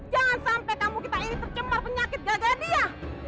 jangan sampai kamu kita ini tercemar penyakit gagah dia